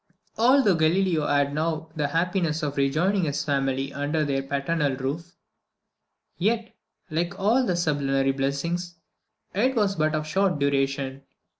_ Although Galileo had now the happiness of rejoining his family under their paternal roof, yet, like all sublunary blessings, it was but of short duration.